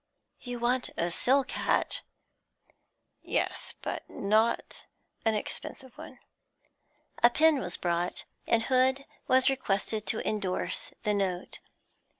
'You want a silk hat?' 'Yes, but not an expensive one.' A pen was brought, and Hood was requested to endorse the note.